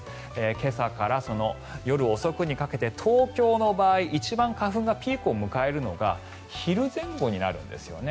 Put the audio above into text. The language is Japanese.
今朝から夜遅くにかけて東京の場合花粉が一番ピークを迎えるのが昼前後になるんですね。